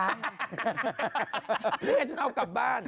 นี่ฉันเอากลับบ้าน